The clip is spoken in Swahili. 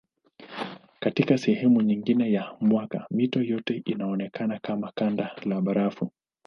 Katika sehemu nyingine ya mwaka mito yote inaonekana kama kanda la barafu.